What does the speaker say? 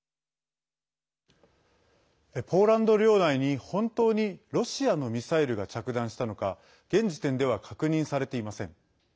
ポーランド領内に本当にロシアのミサイルが着弾したのか現時点では確認されていません。